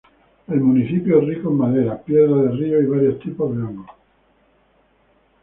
El municipio es rico en madera, piedras de río y varios tipos de hongos.